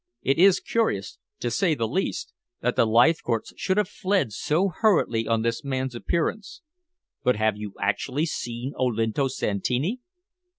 It is curious, to say the least, that the Leithcourts should have fled so hurriedly on this man's appearance. But have you actually seen Olinto Santini?"